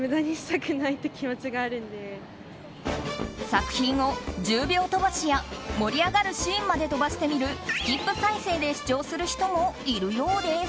作品を１０秒飛ばしや盛り上がるシーンまで飛ばして見るスキップ再生で視聴する人もいるようです。